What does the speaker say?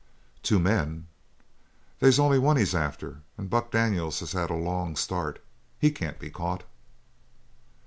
"Two men? They's only one he's after and Buck Daniel has had a long start. He can't be caught!"